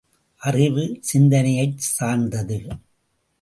அறிவு, சிந்தனையைச் சார்ந்தது!